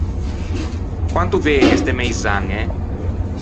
Quanto vëgne ste meizañe?